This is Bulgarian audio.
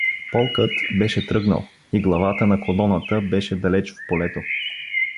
Полкът беше тръгнал и главата на колоната беше далеч в полето.